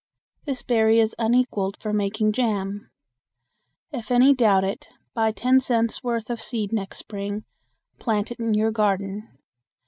This berry is unequaled for making jam. If any doubt it, buy ten cents' worth of seed next spring, plant it in your garden.